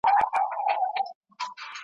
نه مي ډلي دي لیدلي دي د کارګانو ,